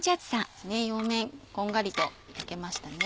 両面こんがりと焼けましたね。